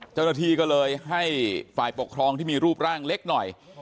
เจ้าหน้าที่ก็เลยให้ฝ่ายปกครองที่มีรูปร่างเล็กหน่อย